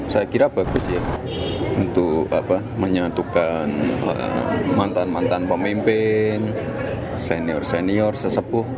saya kira bagus ya untuk menyatukan mantan mantan pemimpin senior senior sesepuh